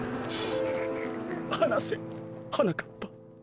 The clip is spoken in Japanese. はなせはなかっぱ。